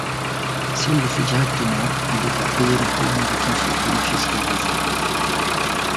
Si elle le fait directement, elle devra payer l'impôt américain sur le bénéfice réalisé.